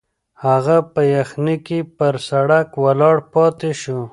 هغه په یخني کې پر سړک ولاړ پاتې شو.